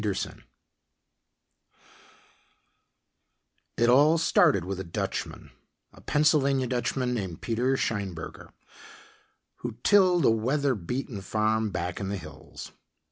] It all started with a Dutchman, a Pennsylvania Dutchman named Peter Scheinberger, who tilled a weather beaten farm back in the hills.